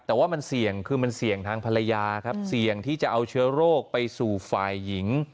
แต่ว่ามันเสี่ยงคือมันเสี่ยงทางภรรยาครับเสี่ยงที่จะเอาเชื้อโรคไปสู่ฝ่ายหญิง